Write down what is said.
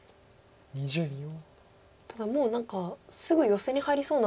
ただもう何かすぐヨセに入りそうな。